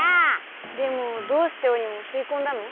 でもどうしてオリオンをすいこんだの？